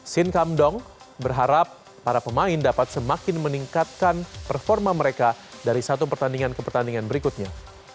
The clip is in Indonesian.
shin kamdong berharap para pemain dapat semakin meningkatkan performa mereka dari satu pertandingan ke pertandingan berikutnya